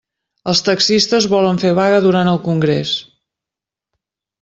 Els taxistes volen fer vaga durant el congrés.